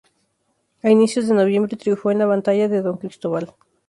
A inicios de noviembre triunfó en la batalla de Don Cristóbal.